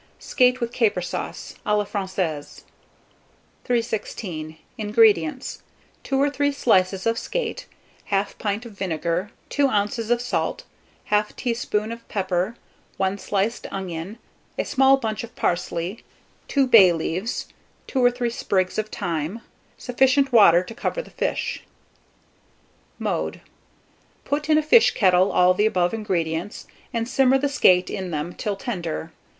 SKATE WITH CAPER SAUCE (a la Francaise) 316. INGREDIENTS. 2 or 3 slices of skate, 1/2 pint of vinegar, 2 oz. of salt, 1/2 teaspoonful of pepper, 1 sliced onion, a small bunch of parsley, 2 bay leaves, 2 or 3 sprigs of thyme, sufficient water to cover the fish. Mode. Put in a fish kettle all the above ingredients, and simmer the skate in them till tender.